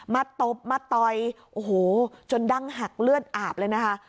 ตบมาต่อยโอ้โหจนดั้งหักเลือดอาบเลยนะคะ